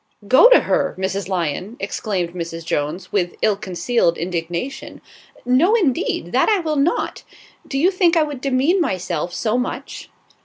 "Go to her, Mrs. Lyon," exclaimed Mrs. Jones, with ill concealed indignation. "No, indeed, that I will not. Do you think I would demean myself so much?"